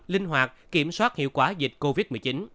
linh hoạt kiểm soát hiệu quả dịch covid một mươi chín